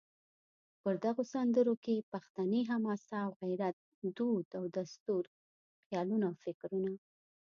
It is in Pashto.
په دغو سندرو کې پښتني حماسه او غیرت، دود او دستور، خیالونه او فکرونه